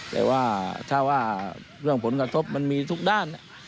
แต่ว่าถ้าว่าเรื่องผลกระทบมันมีทุกด้าน